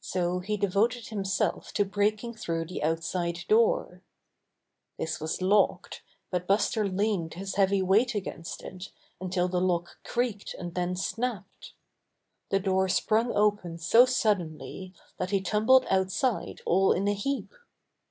So he devoted himself to breaking through the outside door. Buster Returns to North Woods 12T This was locked, but Buster leaned his heavy weight against it until the lock creaked and then snapped. The door sprung open so suddenly that he tumbled outside all in a heap.